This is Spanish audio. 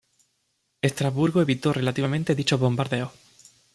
Estrasburgo evitó relativamente dichos bombardeos.